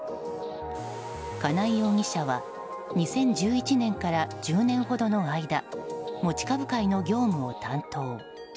金井容疑者は２０１１年から１０年ほどの間持ち株会の業務を担当。